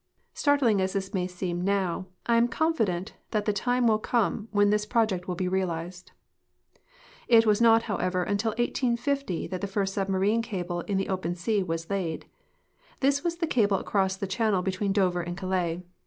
Startling as this may seem now, I am confident the time will come when this project will l^e realized." ... It was not, however, until 1850 that the first submarine cable in the open sea was laid. This was the cable across the channel between Dover and Calais.